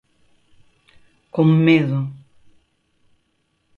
Con medo.